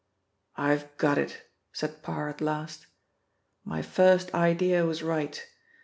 "I've got it," said Parr at last. "My first idea was right.